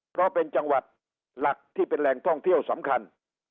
เพราะเป็นจังหวัดหลักที่เป็นแหล่งท่องเที่ยวสำคัญ